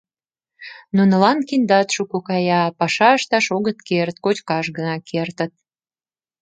Нунылан киндат шуко кая, а паша ышташ огыт керт, кочкаш гына кертыт».